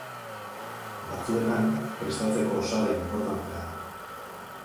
Batzuetan, prestatzeko osagai inportantea da.